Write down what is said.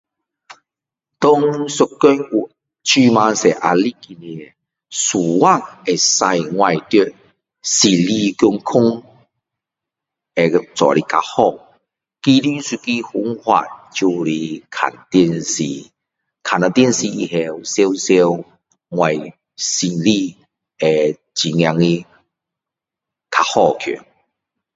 科学科技如果越发达世界的骗人的方法也越发达去他们用科技科技骗人很多是用科技来模仿学人学一个人说话骗人